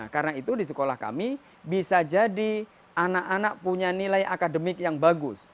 karena itu di sekolah kami bisa jadi anak anak punya nilai akademik yang bagus